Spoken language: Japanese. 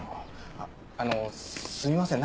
あのすみません。